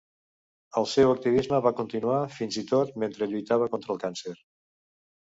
El seu activisme va continuar fins i tot mentre lluitava contra el càncer.